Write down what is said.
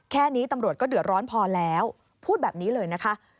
แค่นี้ตำรวจก็เดือดร้อนพอแล้วพูดแบบนี้เลยนะคะ